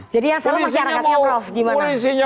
jadi yang salah masyarakatnya prof gimana